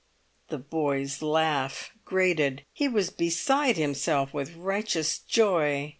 The boy's laugh grated; he was beside himself with righteous joy.